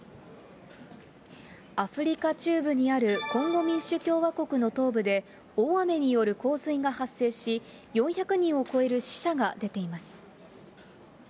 アフリカ中部にあるコンゴ民主共和国の東部で、大雨による洪水が発生し、４００人を超える死者が出ています。